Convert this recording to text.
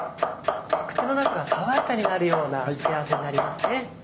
口の中が爽やかになるような付け合わせになりますね。